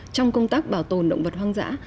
trong công tác bảo tồn động vật hoang dã